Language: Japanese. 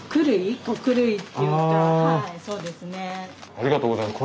ありがとうございます。